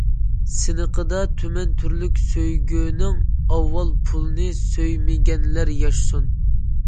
سىنىقىدا تۈمەن تۈرلۈك سۆيگۈنىڭ، ئاۋۋال پۇلنى سۆيمىگەنلەر ياشىسۇن!